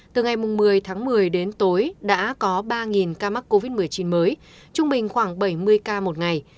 từ ngày một mươi tháng một mươi đến tối đã có ba ca mắc covid một mươi chín mới trung bình khoảng bảy mươi ca một ngày